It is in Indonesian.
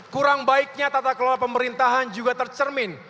kurang baiknya tata kelola pemerintahan juga tercermin